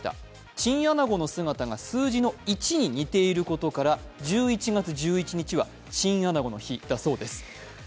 チンアナゴの姿が数字の１に似ていることから１１月１１日はチンアナゴの日だそうです。